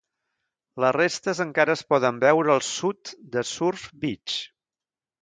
Les restes encara es poden veure al sud de Surf Beach.